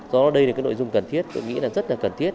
do đây là cái nội dung cần thiết tôi nghĩ là rất là cần thiết